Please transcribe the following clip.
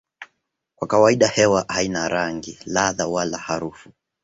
Kwa kawaida hewa haina rangi, ladha wala harufu.